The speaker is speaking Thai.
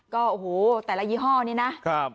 ก็โอ้โหแต่ละยี่ห้อนี้นะ